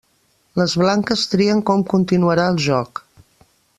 Les blanques trien com continuarà el joc.